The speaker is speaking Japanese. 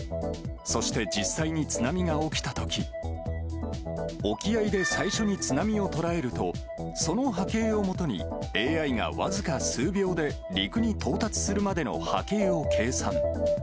そして、実際に津波が起きたとき、沖合で最初に津波を捉えると、その波形をもとに、ＡＩがわずか数秒で、陸に到達するまでの波形を計算。